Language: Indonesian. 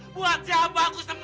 buat siapa aku sembuh